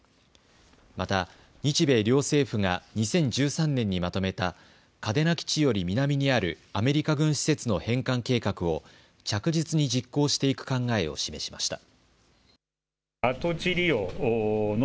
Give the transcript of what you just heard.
また日米両政府が２０１３年にまとめた嘉手納基地より南にあるアメリカ軍施設の返還計画を着実に実行していく考えを示しました。